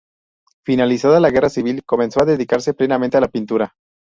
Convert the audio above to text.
Finalizada la Guerra Civil, comenzó a dedicarse plenamente a la pintura.